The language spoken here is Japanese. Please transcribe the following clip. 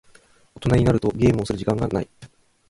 大人になるとゲームをする時間がない。